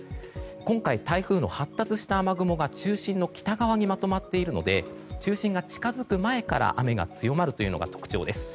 今回、台風の発達した雨雲が中心の北側にまとまっているので中心が近づく前から雨が強まるというのが特徴です。